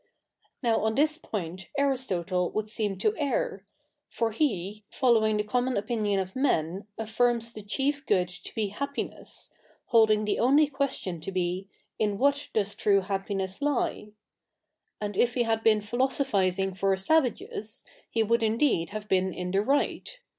'■ Now 071 this point Aristotle would seem to ei r. For he, following the common opinio?i of men, affii'ms the chief good to be happiness, holding the only question to be, in what does true happiness lie ? And if he had bee/i philosophising for savages, he would ifideed have been in the right.